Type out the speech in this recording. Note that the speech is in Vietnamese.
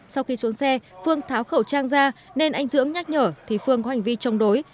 sau khi xuống xe phương tháo khẩu trang ra nên anh dưỡng nhắc nhở thì phương có hành vi chống đối